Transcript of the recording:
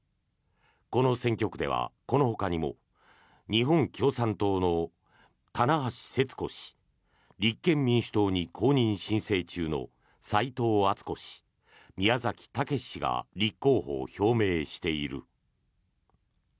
この選挙区ではこのほかにも日本共産党の店橋世津子氏立憲民主党に公認申請中の斉藤敦子氏宮崎岳志氏が立候補を表明している。